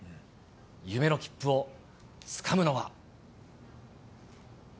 夢の切符をつかむのは。